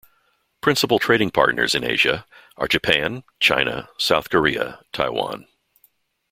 Principal trading partners in Asia are Japan, China, South Korea, Taiwan.